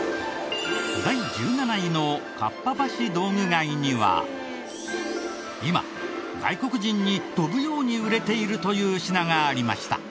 第１７位のかっぱ橋道具街には今外国人に飛ぶように売れているという品がありました。